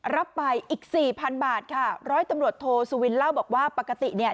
รับไปอีกสี่พันบาทค่ะร้อยตำรวจโทสุวินเล่าบอกว่าปกติเนี่ย